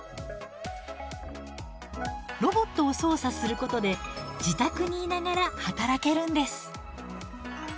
ロボットを操作することで自宅にいながら働けるんです。